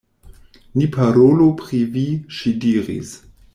Ni parolu pri vi, ŝi diris.